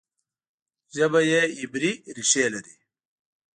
ژبه یې عبري ریښې لري.